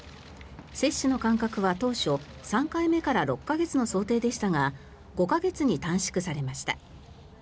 接種の間隔は、当初３回目から６か月の想定でしたが５か月に短縮されました。